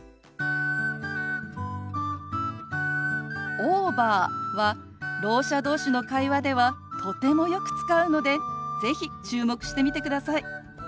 「オーバー」はろう者同士の会話ではとてもよく使うので是非注目してみてください。